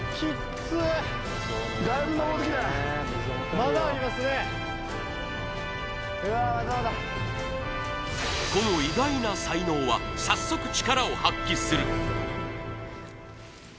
まだまだこの意外な才能は早速力を発揮する